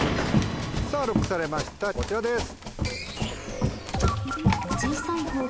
さぁＬＯＣＫされましたこちらです。